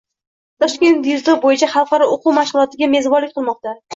Toshkent dzyudo bo‘yicha xalqaro o‘quv-mashg‘ulotiga mezbonlik qilmoqda